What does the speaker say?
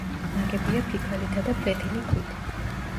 ნაგებია ფიქალითა და ფლეთილი ქვით.